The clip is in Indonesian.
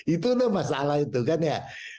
itu loh masalah itu kan ya